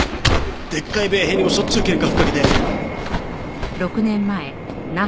でっかい米兵にもしょっちゅう喧嘩吹っかけて。